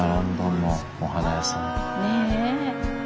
ねえ。